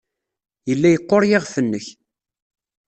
Yella yeqqur yiɣef-nnek.